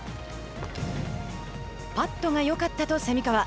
パットがよかったと蝉川。